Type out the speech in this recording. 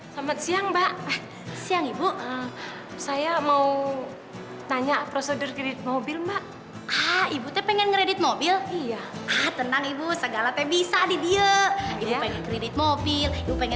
sampai jumpa di video selanjutnya